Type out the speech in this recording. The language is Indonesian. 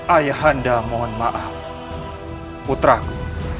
ayahanda mohon maaf putraku